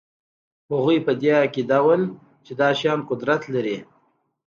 هغوی په دې عقیده وو چې دا شیان قدرت لري